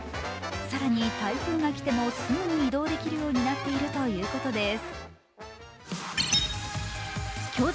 更に台風が来てもすぐに移動できるようになっているということです。